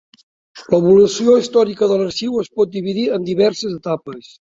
L'evolució històrica de l'Arxiu es pot dividir en diverses etapes.